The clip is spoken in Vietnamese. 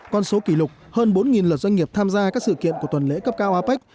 con số kỷ lục hơn bốn lượt doanh nghiệp tham gia các sự kiện của tuần lễ cấp cao apec